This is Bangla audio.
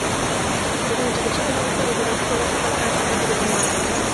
সেখানে চিকিৎসাধীন অবস্থায় গতকাল শুক্রবার সকাল সাড়ে ছয়টার দিকে তিনি মারা যান।